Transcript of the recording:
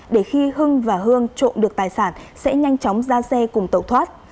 để khi hưng và hương trộm được tài sản sẽ nhanh chóng ra xe cùng tẩu thoát